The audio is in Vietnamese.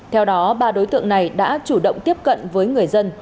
theo đó ba đối tượng này đã chủ động tiếp cận với người dân